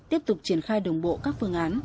tiếp tục triển khai đồng bộ các phương án